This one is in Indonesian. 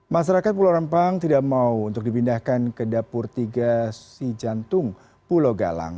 masyarakat pulau rempang tidak mau untuk dipindahkan ke dapur tiga si jantung pulau galang